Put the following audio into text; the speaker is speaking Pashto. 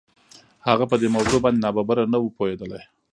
هغه په دې موضوع باندې ناببره نه و پوهېدلی.